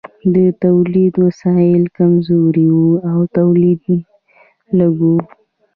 د تولید وسایل کمزوري وو او تولید لږ و.